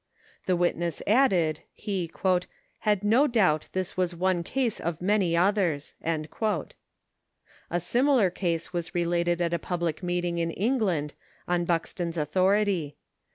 The witness added, he " had no doubt this was one case of many others." A similar case was related at a public meeting in England, on 7 74 Buxton's authority.